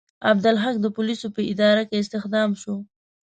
عبدالحق د پولیسو په اداره کې استخدام شو.